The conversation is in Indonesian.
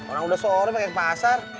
orang udah sore pake ke pasar